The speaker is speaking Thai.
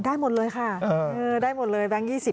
ได้หมดเลยค่ะได้หมดเลยแบงค์๒๐